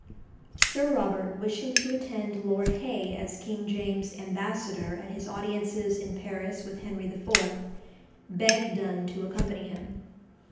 Sir Robert, wishing to attend Lord Hay as King James's ambassador at his audiences in Paris with Henry IV., begged Donne to accompany him.